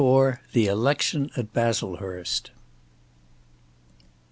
THE ELECTION AT BASLEHURST.